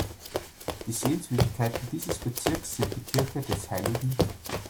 Die Sehenswürdigkeiten dieses Bezirks sind die „Kirche des hl.